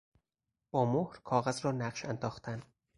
با مهر کاغذ را نقش انداختن